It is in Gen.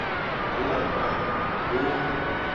Alagba go.